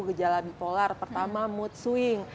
gejala bipolar pertama mood swing